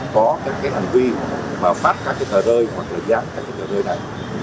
có các hành vi phát các tờ rơi hoặc là gián các tờ rơi này